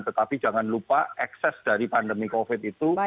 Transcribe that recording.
tetapi jangan lupa ekses dari pandemi covid itu